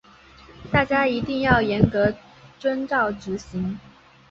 大家一定要严格遵照执行